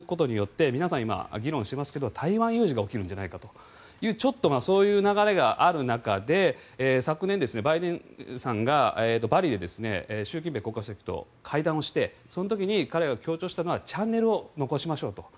そういうことがあってちょっと中国を刺激することで皆さん、今議論していますが台湾有事が起きるんじゃないかというちょっとそういう流れがある中で昨年、バイデンさんがバリで習近平国家主席と会談をしてその時に彼は強調したのはチャンネルを残しましょうと。